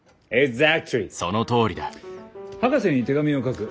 博士に手紙を書く。